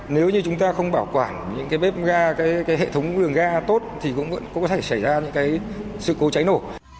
nếu như chúng ta không bảo quản những cái bếp ga hệ thống đường ga tốt thì cũng có thể xảy ra những cái sự cố cháy nổ